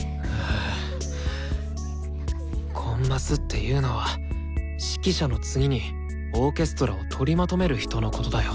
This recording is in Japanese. はぁコンマスっていうのは指揮者の次にオーケストラを取りまとめる人のことだよ。